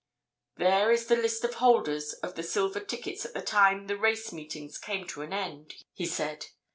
"There is the list of holders of the silver tickets at the time the race meetings came to an end," he said.